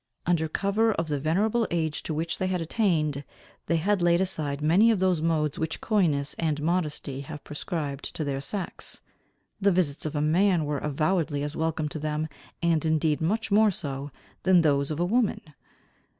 Under cover of the venerable age to which they had attained, they had laid aside many of those modes which coyness and modesty have prescribed to their sex. The visits of a man were avowedly as welcome to them, and indeed much more so, than those of a woman.